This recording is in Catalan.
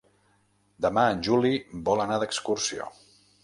Demà en Juli vol anar d'excursió.